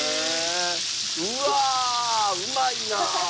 うわうまいな！